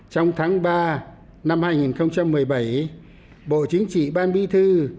trong tháng ba năm hai nghìn một mươi bảy bộ chính trị ban bí thư